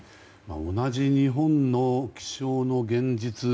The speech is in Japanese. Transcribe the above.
同じ日本の気象の現実。